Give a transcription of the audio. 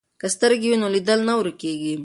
که سترګې وي نو لید نه ورکیږي.